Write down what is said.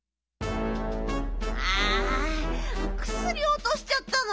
あくすりおとしちゃったの？